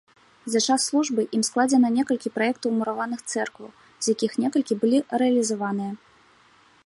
За час службы ім складзена некалькі праектаў мураваных цэркваў, з якіх некалькі былі рэалізаваныя.